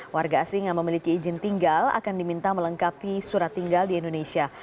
warga asing yang memiliki izin tinggal akan diminta melengkapi surat tinggal di indonesia